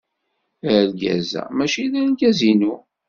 Argaz-a maci d argaz-inu.